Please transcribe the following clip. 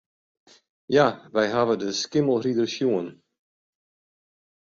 Ja, wy hawwe de Skimmelrider sjoen.